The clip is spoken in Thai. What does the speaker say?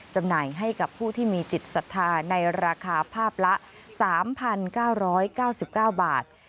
จำหน่ายให้กับผู้ที่มีจิตศรัทธาในราคาภาพละ๓๙๙๙บาท